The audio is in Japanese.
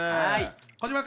はい。